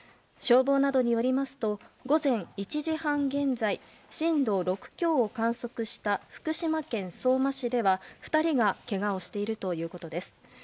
消防などによりますと午前１時半現在震度６強を観測した福島県相馬市では２人がけがをしているということです。